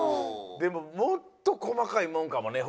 でももっとこまかいもんかもね。